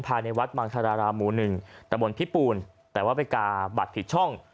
ภายในวัดมังธรารามหมู่๑ตะบนพิปูนแต่ว่าไปกาบัตรผิดช่อง